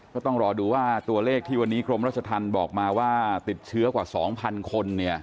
ก็ต้องรอดูว่าตัวเลขที่วันนี้กรมราชธรรมบอกมาว่าติดเชื้อกว่า๒๐๐คน